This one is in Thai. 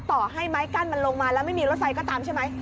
ต่อให้ไม้กั้นมันลงมาแล้วไม่มีรถไฟก็ตามใช่ไหม